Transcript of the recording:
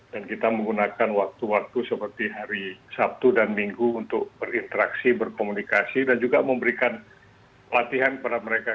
dan kita menggunakan waktu waktu seperti hari sabtu dan minggu untuk berinteraksi berkomunikasi dan juga memberikan latihan kepada mereka